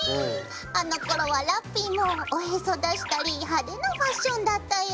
あのころはラッピィもおへそ出したり派手なファッションだったよ。